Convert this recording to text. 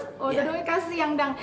dodo kasih yang dang